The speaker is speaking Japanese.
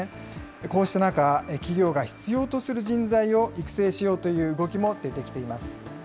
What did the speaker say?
こうした中、企業が必要とする人材を育成しようという動きも出てきています。